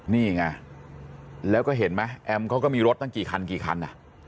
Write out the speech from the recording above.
นี่ไงแล้วก็เห็นไหมแอมเขาก็มีรถตั้งกี่คันกี่คัน